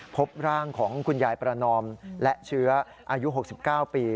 พบร่างของคุณยายประนอมและเชื้ออายุ๖๙ปี